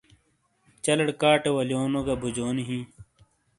چلیڑے کاٹے ولیونو گہ بوجنی ہِیں۔